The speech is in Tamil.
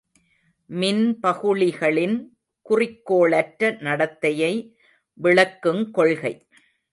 மின்பகுளிகளின் குறிக்கோளற்ற நடத்தையை விளக்குங் கொள்கை.